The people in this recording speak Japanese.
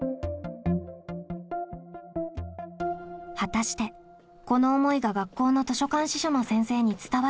果たしてこの思いが学校の図書館司書の先生に伝わるでしょうか？